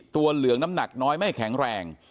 เหลืองน้ำหนักน้อยไม่แข็งแรง